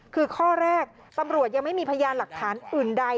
คือข้อแรกตำรวจยังไม่มีพยานหลักฐานอื่นใด